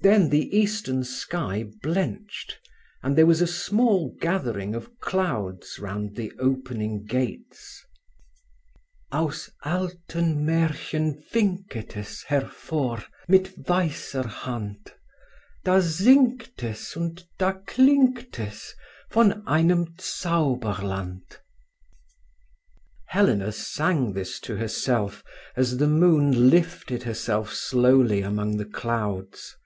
Then the eastern sky blenched, and there was a small gathering of clouds round the opening gates: Aus alten Märchen winket es Hervor mit weisser Hand, Da singt es und da klingt es Von einem Zauberland. Helena sang this to herself as the moon lifted herself slowly among the clouds.